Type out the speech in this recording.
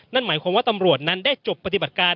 นั่นหมายความว่าตำรวจนั้นได้จบปฏิบัติการ